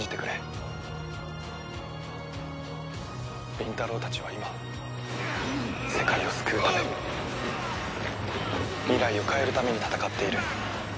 倫太郎たちは今世界を救うために未来を変えるために戦っている。